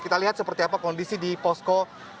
kita lihat seperti apa kondisi di posko